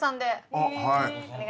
あっはい。